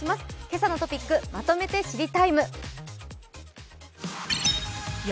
「けさのトピックまとめて知りＴＩＭＥ，」。